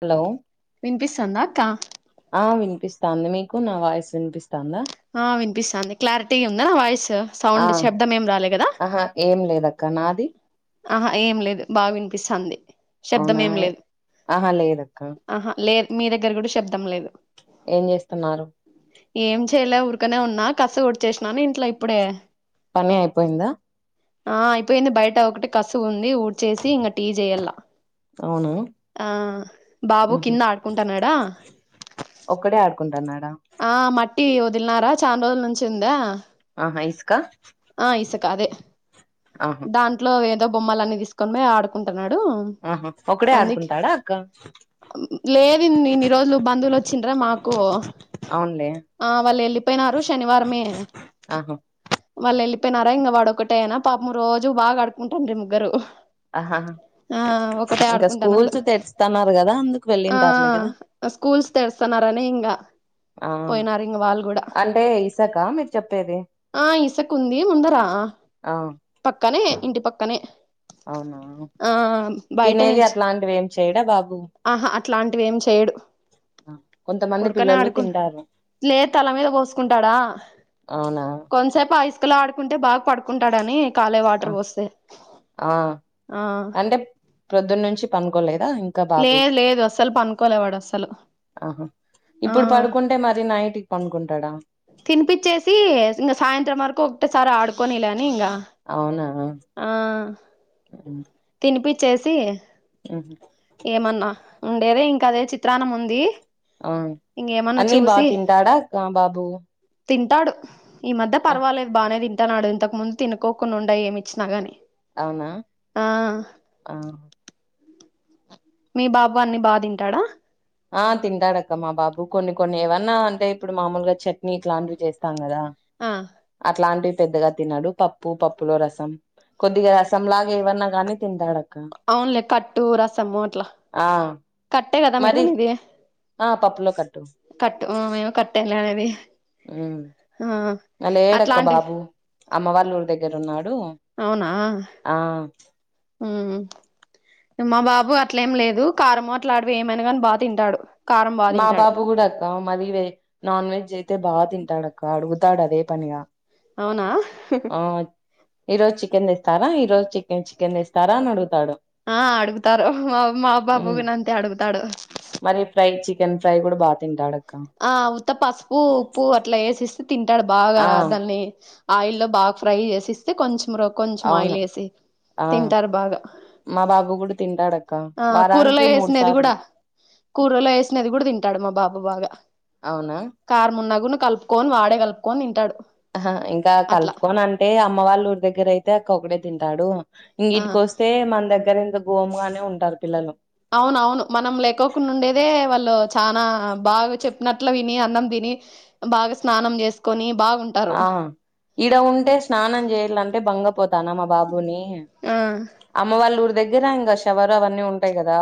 Hello వినిపిస్థందా అక్క ఆ వినిపిస్తాంది మీకు నా వాయిస్ వినిపిస్తందా ఆ వినిపిస్తాంది క్లారిటీగ ఉందా నా వాయిస్ ఆ సౌండ్ శబ్దం ఏం రాలే కదా కనాది ఆహా ఏం లేదు బాగా వినిపిస్థంది శబ్దం అవునా ఏం లేదు ఆహా లేదక్క ఆహా లే మీ దగ్గర కూడా శబ్దం లేదు ఏం చేస్తున్నారు ఏం చేయలే ఊరికనే ఉన్నా కస్ కుడచేసినాను ఇంట్ల ఇప్పుడే పని అయిపోయిందా ఆ అయిపోయింది బయట ఒకటి కసు ఉంది ఊడ్చేసి ఇంకా టీ చేయ్యాల అవునా ఆ బాబు ఉహు కింద ఆడుకుంటాన్నాడా ఒక్కడే ఆడుకుంటున్నాడా ఆ మట్టి వదిలినారా చాన రోజుల నుంచి ఉందా అహ ఇస్కా ఆ ఇసుకదే ఆహా దాంట్లో ఏదో బొమ్మలన్నీ తీసుకొని పోయి ఆడుకుంటారు న్నాడు ఆహా ఒకడే అందుక్ ఆడుకుంటాడా అక్క లేదన్ని రోజులు బంధువులు వచ్చిండ్రా మాకు అవునులే ఆ వాళ్ళు వెళ్ళిపోయినారు శనివారమే ఆహా వాళ్ళు వెళ్ళిపో పోయినారా ఇంగ వాడు ఒకటే నా పాపం రోజు బాగా ఆడుకుంటాండ్రి ముగ్గురు ఆహా హ ఆ ఒకటే ఆడుకుంటాన్నాడు తెరుస్తున్నారు కదా అందుకు ఆ వెళ్ళింటారులే కదా స్కూల్స్ తెరుస్తా రనే ఇంగా ఆ పోయినారు ఇంగ వాళ్ళు కూడా అంటే ఇసాక మీరు చెప్పేది ఆ ఇసకుంది ముందరా ఆ పక్కనే ఇంటి పక్కనే అవునా ఆ బయట తినేది నిల్చు అట్లాంటివి ఏం చెయడా బాబు ఆహా అట్లాంటివి ఏం చెయడు కొంతమంది ఉరకనే పిల్లలు ఆడుకు తింటారు లేద్ తల మీద పోసుకుంటాడా అవునా కొంతసేపు ఆ ఇసుకలో అడ్ కుంటే బాగా పడుకుంటాడని కాలే ఆ వాటర్ పోస్తే ఆ ప్రొద్దున నుంచి పడుకోలేదు లేదు లేదు అస్సలు పనుకోలే వాడు అస్సలు ఆహా ఆ ఇప్పుడు పడుకుంటే మరి నైట్కి పండుకుంటాడా తినిపచ్చేసి ఇంగ సాయంత్రం వరకు ఒక సరే ఆడుకొనిలే అని ఇంగ అవునా ఆ తినిపి చేసి ఉహు ఉండేదే ఇంకా అదే చిత్రాన్నం ఉంది ఆవున్ ఇంగేమన్నా అన్నీ బా చూసి తింటాడా ఆ బాబు తింటాడు ఈ మధ్య ఆ పర్వాలేదు బాగానే తింటాన్నాడు ఇంతకు ముందు తినుకోకుండా ఉండే ఏమి ఇచ్చినా గాని అవునా ఆ ఆ మీ బాబు అన్ని బా తింటాడా ఆ తింటాడక్క మా బాబు కొన్ని కొన్ని ఏమన్నా అంటే ఇప్పుడు మామూలుగా చట్నీ ఇట్లాంటివి చేస్తాం కదా ఆ అట్లాంటివ్ పెద్దగా తిన్నాడు పప్పు పప్పులో రసం కొద్దిగా రసంలాగా ఏవన్నా గానీ తింటాడక్ అవునులే కట్టు రసము అట్లా ఆ కట్టే కదా మరి మీరనేది ఆ పప్పులో కట్టు కట్ ఆ మీము కట్టేలే అనేది ఉమ్ ఆ లేడక్క అట్లాంటివి బాబు అమ్మ వాళ్ళఊరి దగ్గర ఉన్నాడు ఆ మ్మ్ మా బాబు అట్లేం లేదు కారుము అట్లాటివి ఏమైనా గాని బా తింటాడు కారం బా మా తింటాడు బాబు కూడా అక్క మరీ నాన్ వెజ్ అయితే బాగా తింటాడు అక్క అడుగుతాడు అదే పనిగా అవునా ఈరోజు చికెన్ తెస్తారా ఈరోజు చికెన్ చికెన్ తెస్తారా అని అడుగు ఆ అడుగుతారు మా మా బాబు ఉమ్ గున అంతే అడుగుతాడు మరి ఫ్రై చికెన్ ఫ్రై కూడా బా తింటాడు ఆ ఉత్త పసుపు ఉప్పు అట్లా వేసేస్తే తింటాడు బాగా ఆ దాన్ని ఆయిల్ల్లో బాగా ఫ్రై చేసిస్తే కొంచెం రా కొంచం అవును ఆయిలేసి ఆ తింటారు బాగా మా బాబు కూడా తింటాడక్క ఆ కూరలో వారానికి మూడు వేసినది సార్లు కూడా కూరలో వేసినది కూడా తింటాడు మా బాబు బాగా అవునా మున్నగును కలుపుకొని వాడే కలుపుకొని తింటాడు అహా ఇంకా అట్లా కలుపుకోని అంటే అమ్మ వాళ్ళ ఊరి దగ్గర అయితే అక్క ఒకడే తింటాడు ఇంగ ఆ ఈటికి వస్తే మన దగ్గర ఇంత గోముగానే ఉంటారు పిల్లలు అవునవును మనం లేకోకుండా ఉండేదే వాళ్ళు చానా బాగా చెప్పినట్లు విని అన్నం తిని బాగా స్నానం చేసుకొని బాగుంటారు. ఆ ఇడ ఉంటే స్నానం చేయాలంటే బంగపోతానా మా బాబుని ఆ అమ్మ వాళ్ళు ఊర్ ఊరి దగ్గర ఇంకా శవరా అవన్నీ ఉంటాయి కదా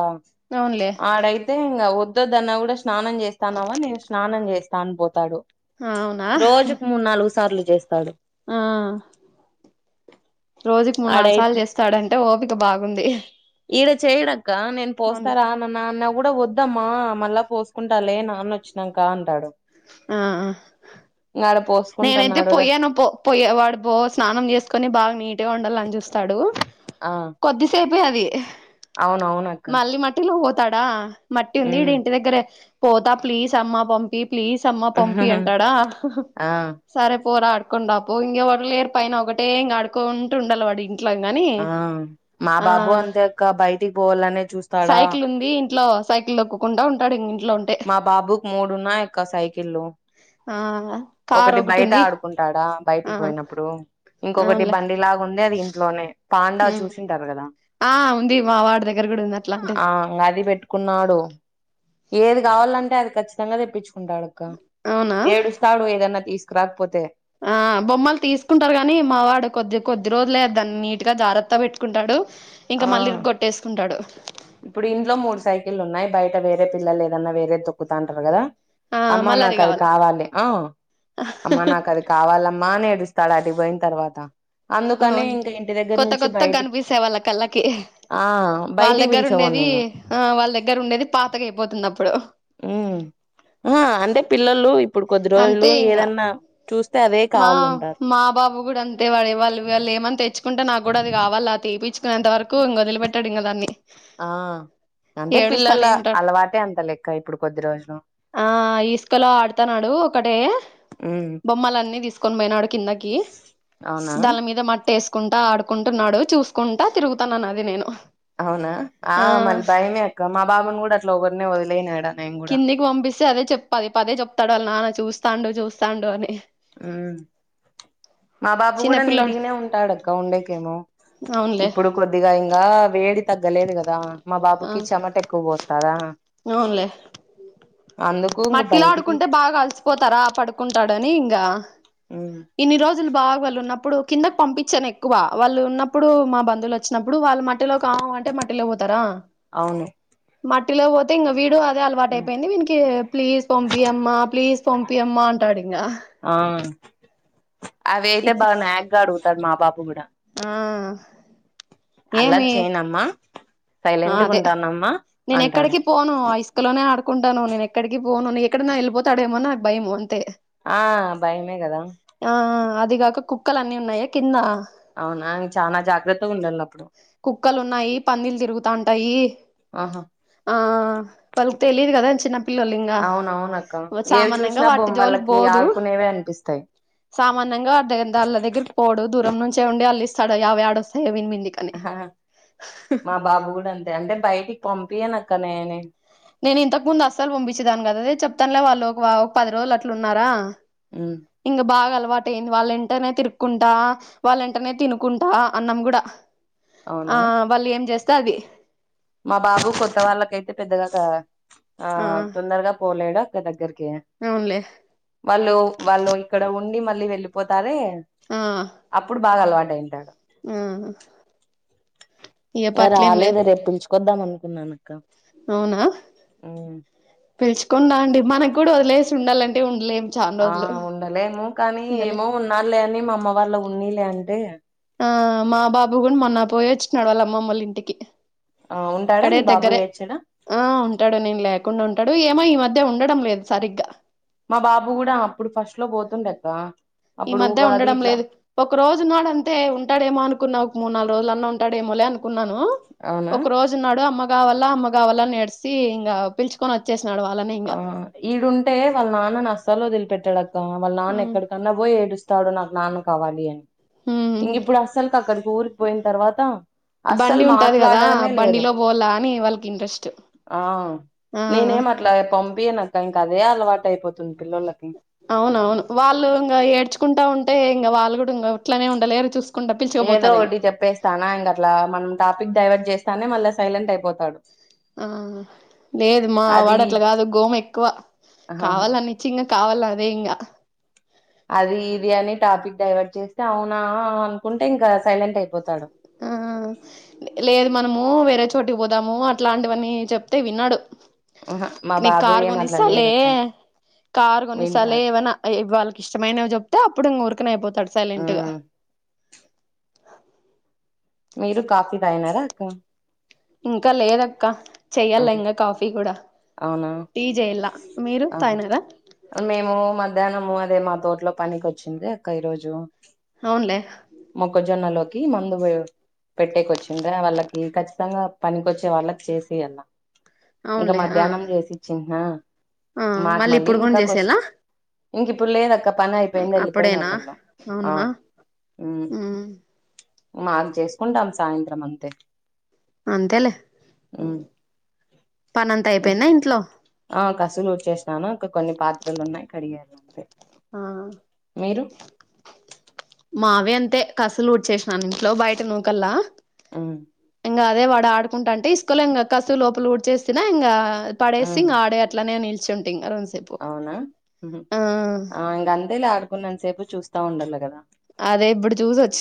అవునులే. ఆడైతే ఇంకా వొద్దోద్దు అన్నా కూడా స్నానం చేస్తాన్నావా నేను స్నానం చేస్తా అని పోతాడు ఆవునా రోజుకు మూడు నాలుగు సార్లు చేస్తాడు ఆ రోజుకి మూడు ఆడై నాలుగు సార్లు చేస్తాడు అంటే ఓపిక బాగుంది ఈడ చేయడక్క నేను పోస్తా అవునులే. రా నాన్న అన్న కూడా వద్దు వద్దమ్మా మళ్ళా పోసుకుంటా లేే నాన్న వచ్చినాంకా అంటాడు ఆ ఇంకాడ నేనైతే పోసుకుంటున్నాడు రా పొయ్యాను పో పొయ్యే వాడు పో స్నానం చేసుకొని బాగా నీట్ గా ఉండాలని చూస్తాడు కొద్దిసేపే అది అవునవును అక్క పోతడా మట్టి ఉంది ఇడ ఇంటి దగ్గర పోతా ప్లీజ్ అమ్మ పంపి ప్లీజ్ అమ్మ పంపి అంటాడా ఆ సరే పోరా ఆడుకుని రాపో ఇంగ్ ఎవరు లేరు పైన ఒకటే ఇంగ ఆడుకుంటూ ఉండల్ల వాడు ఇంగ్ ఆ మా బాబు అంతేక్క బయటికి పోవాల్లనే సైకిల్ ఉంది ఇంట్లో సైకిల్ తొక్కుకుంటా ఉంటాడు ఇంగ్ ఇంట్లో ఉంటే మా బాబుకి మూడున్నాయి అక్క సైకిల్లు ఆ కార్ ఒకటి బయట ఉంది ఆడుకుంటాడా ఆ బయటికి పోయినప్పుడు ఇంకొకటి అవునులే బండిలాగా ఉండేది ఇంట్లోనే తాండా చూసింటారు కదా ఆ ఉంది మా వాడి దగ్గర కూడా ఉంది అట్లాంటిది ఆ అది పెట్టుకున్నాడు ఏది ఏది కావల్లాంటే అది ఖచ్చితంగా తెప్పించుకుంటాడక్క అవునా ఏడుస్తాడు ఏదన్నా తీసుకురాకపోతే ఆ బొమ్మలు తీసుకుంటారు గాని మావాడు కొద్ది కొద్ది రోజులే దాన్ని నీట్గా జాగ్రత్త పెట్టుకుంటాడు ఇంకా ఆ మళ్ళీ ఇరగ్గోట్టేసుకుంటాడు ఇప్పుడు ఇంట్లో మూడు సైకిల్ ఉన్నాయి బయట వేరే పిల్లలు ఏదన్నా వేరే దొక్కుతా ఉంటారు కదా ఆ అమ్మా మళ్ళీ నాకు అది కావాల కావాలి ఆ అమ్మా నాకు అది కావాలమ్మా మా న ఏడుస్తాడు అటు పోయిన తర్వాత అందుకనే అవును ఇంకా ఇంటి దగ్గర కొత్త నుంచి కొత్తగా బయటికి కనిపిస్తాయి వాళ్ళ కళ్ళకి ఆ వాళ్ళ బయటికి దగ్గర పిచ ఉండేది ఆ వాళ్ళ దగ్గర ఉండేది పాతగా అయిపోతుంది అప్పుడు ఆ అంటే పిల్లలు ఇప్పుడు కొద్ది రోజులు అంతే ఇంగ ఏదన్నా చూస్త మా మా బాబు కూడా అంతే వాడే వాళ్ళు వాళ్ళు ఏమని తెచ్చుకో చకుంటే నాకు కూడా అది కావాలా ఆ తీపిించుకునేంత వరకు ఇం వదిలిెట్టాడు ఇంకా దాన్ని ఆ అంటే పిల్లల ఏడుస్తానే ఉంటాడు అలవాటే అంత లెక్క ఇప్పుడు కొద్ది రోజులు ఆ ఇసుకలో ఆడుతన్నాడు ఒకటే ఉమ్ బొమ్మలన్నిీ తీసుకు కొని పోయినాడు కిందకి అవునా దళ మీద మట్ ట్టేసుకుంటా ఆడుకుంటున్నాడు చూసుకుంటా తిరుగుతానున్న అది నేను అవునా ఆ మళ్ళీ భయమే అక్క మా బాబుని కూడా అట్లా ఒకరినే వదిలేనాడా కిందికి పంపిస్తే అదే చెప్పది పదే చెప్తాడు వాళ్ళ నాన్న చూస్తాండు చూస్తాండు అని ఉ మా బాబు కూడా చిన్నపిల్లోడు నీటిగానే ఉంటాడక్క ఉండేకేమో అవునులే ఇప్పుడు కొద్దిగా ఇంకా వేడి తగ్గలేదు కదా మా బాబుకి ఆ చెమట ఎక్కువ పోస్తారా అవునులే అందుకు ఇంగ మట్టిలా బయటికి ఆడుకుంటే బాగా కలిసిపోతారా పడుకుంటాడని ఇంకా ఉమ్ ఇన్ని రోజులు బాగా వెళు ఉన్న ఇప్పుడు కిందకి పంపించాను ఎక్కువ వాళ్ళు ఉన్నప్పుడు మా బంధువులు వచ్చినప్పుడు వాళ్ళ మట్ మట్టిలో కావు అంటే మట్టిలో పోతారా అవును మట్టిలో పోతే ఇక వీడు అదే అలవాట ఉమ్ అయిపోయింది వీనికి ప్లీజ్ పంపియమ్మా ప్లీజ్ పంపి అమ్మా అంటాడు ఇంకా ఆ అవి అయితే బాగా నాక్ గా అడుగుతాడు మా పాాప కూడా ఆ అల్లరి ఏమి చేయనమ్మా సైలెంట్గా అదే ఉంటానమ్మా నేను అంటాడు ఎక్కడికి పోను ఐస్క లోనే ఆడు కుంటాను నేను ఎక్కడికి పోను ఎక్కడై వెళ్ళిపోతాడేమో నాకు భయం అంతే ఆ భయమే కదా ఆ అదిగాక కుక్కలు అన్నీ ఉన్నాయా కింద అవునాంగ్ చనా జాగ్రత్త ఉండల కుక్కలున్నాయి పన్నలు తిరుగుతాంటాయి ఆహా ఆ పల్ తెలిది కదా పిలలింగా అవునవునక్క ఏవి సామాన్యంగా చూసినా వాటి జోలికి బొమ్మలకి పోోదు ఆడుకునేవే అనిపిస్తాయి సామాన్యంగా వా దగ్గళ్ళ దగ్గరి పోడు దూరం నుంచే ఉండి అళ్లిస్తడు అవవి ఆడ వస్తాయవి మా బాబు కూడా అంతే అంటే బయటికి పంపియను అక్క నేనే నేను ఇంతకు ముందు అస్సలు పంపించేదాను కదాదది చెప్తాలే వాళ్ళు ఒక ఒక పది రోజులు అట్లు ఉన్నారా ఉమ్ ఇంగ బాగాల అలవాటయింది వాళ్ళుంటనే తిరుక్కుంటా వాళ్ళెంటనే తినుకుంటా అన్నాం కూడా ఆ అవునా వాళ్ళు ఏం చేస్తే అది మా బాబు కొత్త వాళ్ళకైతే పెద్దగాగా ఆ తొందరగా పోలేడు అక్క దగ్గరకి అవునులే వాళ్ళు వాళ్ళు ఇక్కడ ఉండి మళ్ళీ వెళ్ళిపోతారే ఆ అప్పుడు బాగా అలవాట అైంటాడు ఆ ఇక పట్లేం లేదు రాలేదు రేపు పిలుచుకొద్దాం అనుకున్నాన అక్క అవునా పిలుచుకుడాా అండి మనకు కూడా వదిలేసి ఉండాలంటే ఉండలేం చానా ఆ రోజులు ఉండలేము కానీ ఉండలే ఏమో ఉన్నా లే అని మా అమ్మ వాళ్ళ ఉన్నా లే అంటే ఆ మా బాబు కూడ మొన్న పోయోచ్చినాడు వాళ్ళ అమ్మమ్మ వాళ్ళ ఇంటికి ఆ ఉంటాడా ఇక్కడే మీ బాబు దగ్గరే ఏడ్చాడా ఆ ఉంటాడు నేను లేకుండా ఉంటా ంటడు ఏమో ఈ మధ్య ఉండడం లేదు సరిగ్గా మా బాబు కూడ అప్పుడు ఫస్ట్ లో పోతుండక్క ఈ అప్పుడు మధ్య ఉగాది ఉండడం ఇట్లా లేదు ఒక రోజు ఉన్నాడు అంతే ఉంటాడేమో అనుకున్నా ఒక మూడు నాలుగు రోజులు అన్నా ఉంట ఉంటాడేమోలే అనుకున్నాను అవునా ఒక రోజు ఉన్నాడు అమ్మ కావాల అమ్మ కావాల అనేసి ఇంకా పిలుచకొని వచ్చే ఆ ఈడుంటే వాళ్ళ నాన్నని అస్సల్ వదిలిపెట్టాడక్క వాళ్ళ నాన్న ఎక్కడికన్నా పోయి ఏడుస్త స్తాడు. నాకు నాన్న కావాలి అని ఇంక ఇప్పుడు అసలుకి అక్కడికి ఊరికి పోయిన తర్వాత బండి అస్సలు ఉంటది కదా మాట్లాడడమే లేదు బండిలో పోావల అని వాళ్ళకి ఇంట్రెస్ట్ ఆ ఆ నేనేం అట్ల పంపిను అక్క ఇంక అదే అలవాటు అయిపోతుంది పిల్లోళ్ళకి అవునవును వాళ్ళు ఇంక ఏడ్చుకుంటా ఉంటే ఇంక వాళ్ళు కూడ ఇంక అట్లనే ఉండలేరు చూస్త ఏదో ఒకటి చెప్పేస్తానా ఇంక అట్ల మనం టాపిక్ డైవర్ట్ చేస్తానే మళ్ళా సైలెంట్ అయిపోతాడు ఆ లేదు మా అది వాడట్లా కాదు గోమ ఎక్కువ ఆహా కావాలని ఇచ్చి ఇంకా కావాల్ల అదే ఇంగ అది ఇది అని టాపిక్ డైవర్ట్ చేస్తే అవునా అనుకుంటే ఇంకా సైలెంట్ అయిపోతాడు ఆ లేదు మనము వేరే చోటుకి పోదాము అట్లాంటివన్నీ చెప్తే వినడు ఆహా మా నీక్ బాబు కారు ఏం అట్లా కొనిస్తాలె లేదక్క కారు కొన్నిసాల వింటాడు ఏవైనా వాళ్ళకి ఇష్టమైనవిో చెప్తే అప్పుడు ఇ ఊరుకని అయిపోతాడు సైలెంట్ గా మ్మ్ మీరు కాఫీ తాగినార అక్క ఇంక లేదక్క చెయ్యాల ఆహా ఇంక కాఫీ కూడ అవునా ఆహా తాగినారా మేము మధ్యాహ్నము అదే మా తోటలో పనికి వచ్చింది అక్క ఈరోోజు అవునులే మొక్కజొన్నలో మందు పెట్టేక వచ్చింది వాళ్ళకి ఖచ్చితంగా పనికిొచ్చే వాళ్ళకి చేసియలా అవున్లే ధ్యానం చేసి చిిన్నా మాట మళ్ళీ ఇప్పుడు కూడా ఇంకాక వస్తే చేసేలా ఇంకిప్పుడు లేదక్క పనయిపోయింది వెలిపోయినార్ అప్పుడేనా వాళ్ళు ఆ అవునా ఉమ్ మాకు చేసుకుంటాం సాయంత్రం అంతే అంతేలే మ్మ్ పన ఆ కసులు ఊడ్ చెసినాను ఇంక కొన్ని పాత్రలు ఉన్నాయి కడిగాారు ఆ మావి అంతే కసలు ఉడ్చేసినాను ఇంట్లో బయట నూకల్లా ఉ ఇంకా అదే వాడ ఆడుకుంట అంటే ఇసుకల్ ఇంకా కసుపు లోపల ఉడ్చేసినా ఇంకా పడేసి మ్మ్ ఇంగ ఆడే అట్లనే నిల్చు ఉంటే ఇంకా కొద్ది సేపు అవునా ఆ అంటే ఇలా ఆడుకున్న సేపు చూస్తా ఉండాలి కదా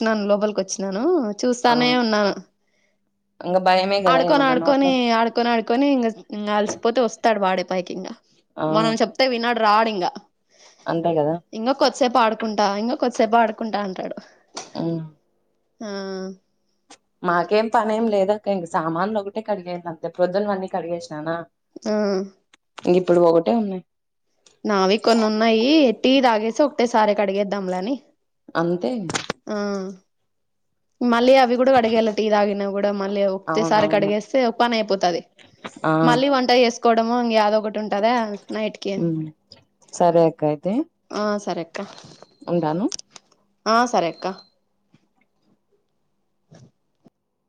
నాన్ లోపలికి వచ్చినాను ఆ చూస్తానే ఉన్నాను ఇంగ భయమే కదా ఆడుకొని ఏమన్నా ఆడుకొని నోట్లో ఆడుకొని ఆడుకొని ఇంక అలిసిపోతే వస్తాడు వాడే పైకి ఇంకా ఆ మనం చెప్తే వినడు రాడు ఇంకా అంతే కదా ఇంక కొద్దిసేపు ఆడుకుంటా ఇంకొ కొద్దిసేపు ఆడుకుంటా అంటాడు ఉ ఆ మాకేం పని ఏం లేదక్క ఇంక సామాన్లు ఒకటే కడిగేయంది అంతే ప్రొద్దున అన్నీ కడిగేసిననా ఆ ఇంక ఇప్పుడు ఒకటే ఉన్నాయి నావి కొన్ని ఉన్నాయి టీ తాగేసి ఒకటేసారి కడిగేద్దాంలే అని అంతే ఆ మళ్ళీ అవి కూడా కడిగేయాల టీ తాగిన కూడా మళ్ళీ ఒకతేసారి అవునవును కడిగేస్తే ఒక పని అయిపోతది ఆ మళ్ళీ వంట చేసుకోవడము ఇంక యాదో ఒకటి ఉంటదా నైట్ కి ఉమ్ సరే అక్క అయితే ఆ సరే అక్క ఉంటాను ఆ సరే అక్క